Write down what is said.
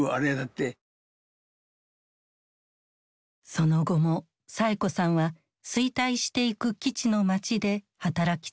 その後もサエ子さんは衰退していく基地の街で働き続けた。